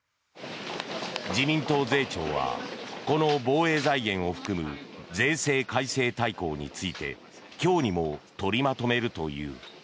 自民党税調はこの防衛財源を含む税制改正大綱について今日にも取りまとめるという。